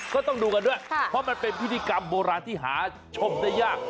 ก็ต้องดูกันด้วยเพราะมันเป็นพิธีกรรมโบราณที่หาชมได้ยาก